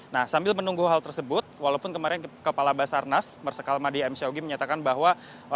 nah sambil menunggu hal tersebut walaupun kemarin kepala basarnas marsikal madi m syawgi menyatakan bahwa